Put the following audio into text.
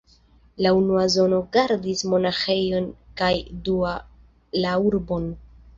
La unua zono gardis monaĥejon kaj dua la urbon.